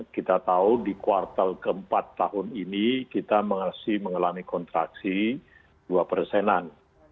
kita tahu di kuartal keempat tahun ini kita masih mengalami kontraksi dua persenan